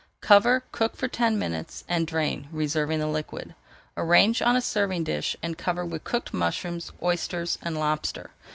Cover, cook for ten minutes, and drain, reserving the liquid. Arrange on a serving dish and cover with cooked mushrooms, oysters, and lobster.